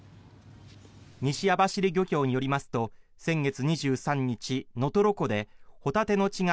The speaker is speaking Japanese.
西網走漁協によりますと先月２３日能取湖でホタテの稚貝